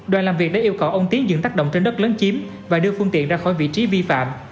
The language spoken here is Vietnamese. đoàn làm việc đã yêu cầu ông tiến dựng tác động trên đất lớn chiếm và đưa phương tiện ra khỏi vị trí vi phạm